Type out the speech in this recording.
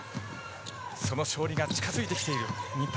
その勝利が近づいてきている日本。